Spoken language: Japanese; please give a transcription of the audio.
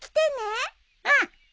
うん！